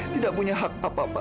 tidak punya hak apapun